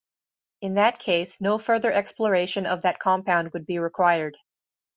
In that case, no further exploration of that compound would be required.